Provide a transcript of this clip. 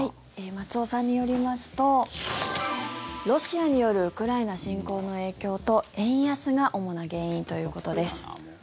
松尾さんによりますとロシアによるウクライナ侵攻の影響と円安が主な原因ということです。